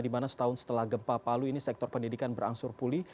dimana setahun setelah gempa palu ini sektor pendidikan berangsur pulih